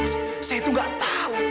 saya tuh gak tahu